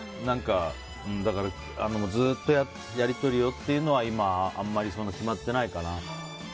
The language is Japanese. だからずっとやり取りをっていうのは今はあんまり決まってないかな。